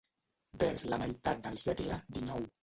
Vers la meitat del segle dinou.